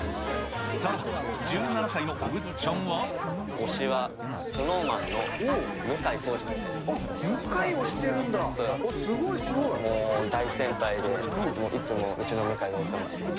さらに、１７歳のおぐっちゃ推しはＳｎｏｗＭａｎの向向井推してるんだ、あっ、もう大先輩で、いつもうちの向井がお世話になってます。